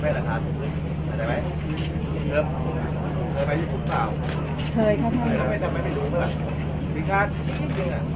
เมืองอัศวินธรรมดาคือสถานที่สุดท้ายของเมืองอัศวินธรรมดา